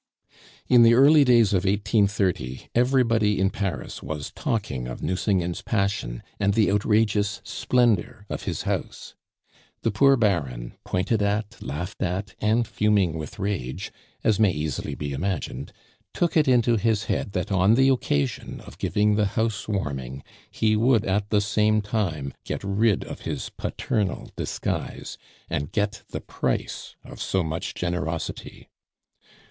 In the early days of 1830 everybody in Paris was talking of Nucingen's passion and the outrageous splendor of his house. The poor Baron, pointed at, laughed at, and fuming with rage, as may easily be imagined, took it into his head that on the occasion of giving the house warming he would at the same time get rid of his paternal disguise, and get the price of so much generosity.